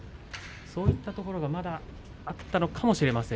そういったイメージがあったのかもしれません。